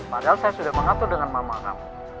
padahal saya sudah mengatur dengan mama kamu